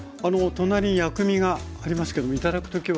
隣に薬味がありますけどもいただく時は。